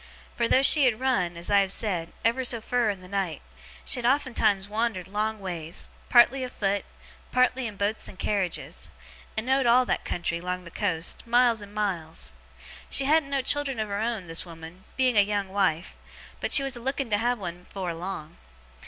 Fur, though she had run (as I have said) ever so fur in the night, she had oftentimes wandered long ways, partly afoot, partly in boats and carriages, and know'd all that country, 'long the coast, miles and miles. She hadn't no children of her own, this woman, being a young wife; but she was a looking to have one afore long.